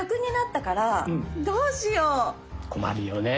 困るよね。